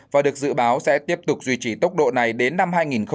và được dự báo sẽ tiếp tục duy trì tốc độ này đến năm hai nghìn hai mươi